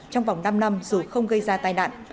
trong vòng năm năm dù không gây ra tai nạn